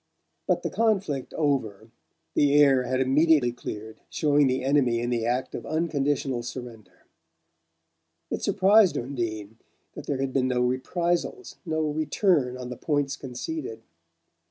But the conflict over, the air had immediately cleared, showing the enemy in the act of unconditional surrender. It surprised Undine that there had been no reprisals, no return on the points conceded.